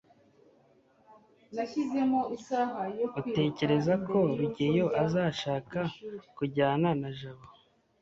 utekereza ko rugeyo azashaka kujyana na jabo